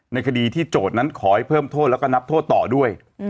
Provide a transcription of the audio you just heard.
ในคดีที่โจทย์นั้นขอให้เพิ่มโทษแล้วก็นับโทษต่อด้วย